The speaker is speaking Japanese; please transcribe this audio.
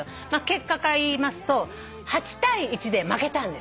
結果から言いますと８対１で負けたんですよ。